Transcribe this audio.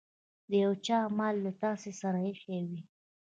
د يو چا مال له تاسې سره ايښی وي.